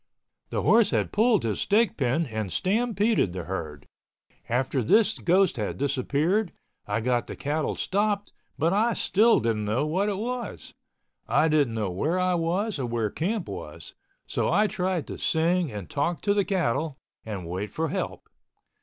The horse had pulled his stake pin and stampeded the herd. After this ghost had disappeared, I got the cattle stopped but I still didn't know what it was. I didn't know where I was or where camp was, so I tried to sing and talk to the cattle and wait for help.